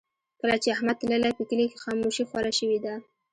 کله چې احمد تللی، په کلي کې خاموشي خوره شوې ده.